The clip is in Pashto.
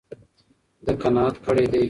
ده قناعت کړی دی.